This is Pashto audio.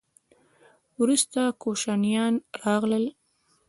وروسته کوشانیان راغلل